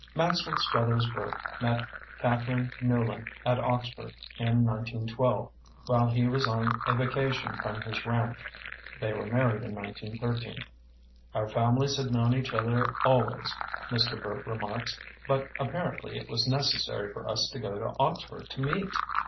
Maxwell Struthers Burt met Katha rine Newlin at Oxford, in 1912, while he was on a vacation from his ranch. They were married in 1913. "Our families had known each other al ways," Mr. Burt remarks, "but ap parently it was necessary for us to go to Oxford to meet.